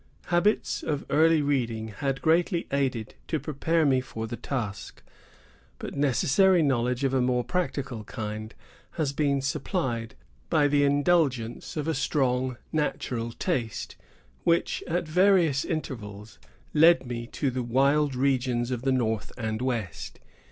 Habits of early reading had greatly aided to prepare me for the task; but necessary knowledge of a more practical kind has been supplied by the indulgence of a strong natural taste, which, at various intervals, led me to the wild regions of the north and west.